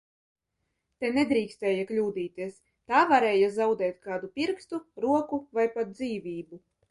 Te nedrīkstēja kļūdīties, tā varēja zaudēt kādu pirkstu, roku vai pat dzīvību.